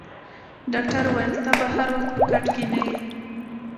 ډاکټر وویل: ته به هر وخت په کټ کې نه یې.